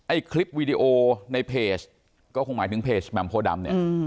คลิปวีดีโอในเพจก็คงหมายถึงเพจแหม่มโพดำเนี่ย